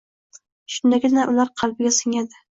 Shundagina ular qalbga singadi.